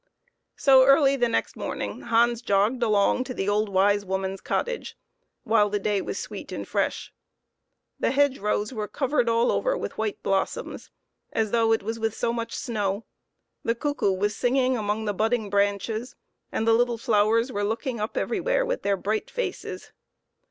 So, early the next morning, Hans jogged along to the old wise woman's cottage, while the day was sweet and fresh. The hedgerows were covered all over with white blossoms, as though it was with so much snow ; the cuckoo was singing among the budding branch es, and the little flowers were looking up everywhere with their bright faces.